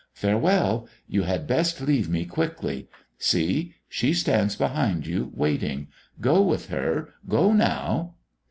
Farewell! You had best leave me quickly. See! She stands behind you, waiting. Go with her! Go now...!"